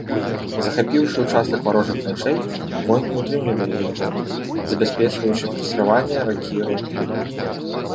Захапіўшы ўчастак варожых траншэй, воіны ўтрымлівалі яго, забяспечваючы фарсіраванне ракі ротай.